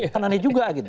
kan aneh juga